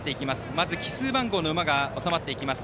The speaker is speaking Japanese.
まず、奇数番号の馬が収まっていきます。